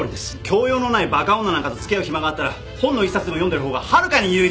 教養のないバカ女なんかと付き合う暇があったら本の一冊でも読んでる方がはるかに有意義だ。